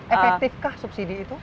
efektifkah subsidi itu